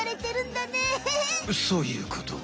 そういうこと。